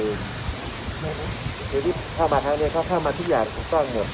โดยวิทธิ์เข้ามาทางด้วยเค้าเข้ามาทุกอย่างสร้างหมด